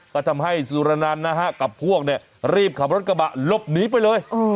ก็ทำให้สุลานานกับพวกรีบขับรถกระบะรบหนีไปเลย